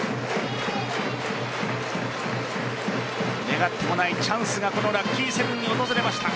願ってもないチャンスがこのラッキーセブンに訪れました。